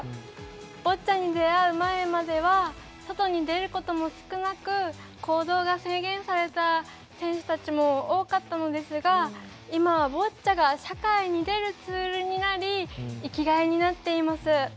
ボッチャに出会う前までは外に出ることも少なく行動が制限された選手たちも多かったんですが今はボッチャが社会に出るツールになり生きがいになっています。